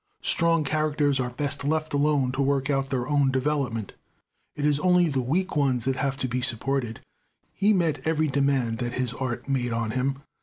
Strong characters are best left alone to work out their own development. It is only the weak ones that have to be supported. He met every demand that his art made on him.